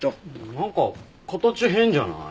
なんか形変じゃない？